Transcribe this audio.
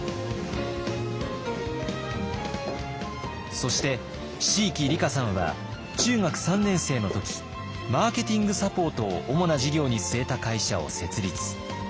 そして椎木里佳さんは中学３年生の時マーケティングサポートを主な事業に据えた会社を設立。